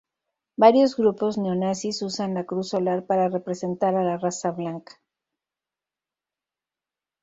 Varios grupos neonazis usan la cruz solar para representar a la raza blanca.